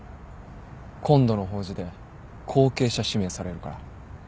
今度の法事で後継者指名されるから。